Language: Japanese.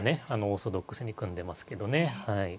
オーソドックスに組んでますけどね。